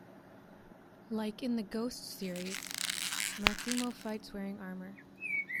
Like in the "Ghosts" series, Maximo fights wearing armor.